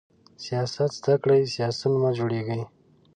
سیاست زده کړئ، سیاسیون مه جوړیږئ!